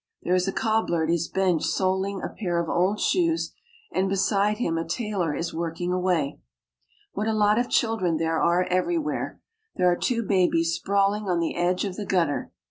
There is a cobbler at his bench soling a pair of old shoes, and beside him a tailor is working away. What a lot of children there are everywhere. There are two babies sprawling on the edge of the gutter